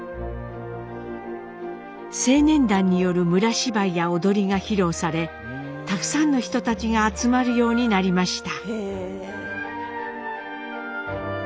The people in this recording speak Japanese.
青年団による村芝居や踊りが披露されたくさんの人たちが集まるようになりました。